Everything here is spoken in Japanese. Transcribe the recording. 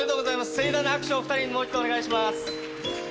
盛大な拍手をお二人にもう一度お願いします。